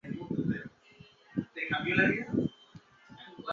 Está además registrado como ingeniero en el Consejo de Ingeniería del Reino Unido.